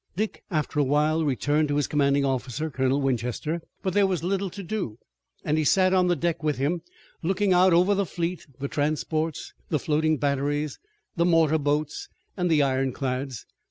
Dick, after a while, returned to his commanding officer, Colonel Winchester, but there was little to do, and he sat on the deck with him, looking out over the fleet, the transports, the floating batteries, the mortar boats, and the iron clads.